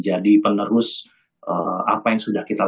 jadi berarti hal ini akan terakhir